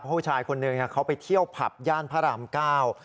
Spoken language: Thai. ผู้ชายคนหนึ่งเขาไปเที่ยวผับย่านพระรามเก้า